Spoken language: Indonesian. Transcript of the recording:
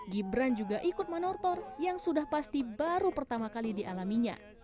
gibran juga ikut menortor yang sudah pasti baru pertama kali dialaminya